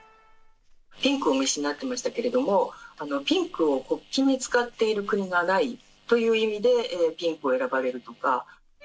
ピンクをお召しになってましたけれども、ピンクを国旗に使っている国がないという意味で、ピンクを選ばれるとか。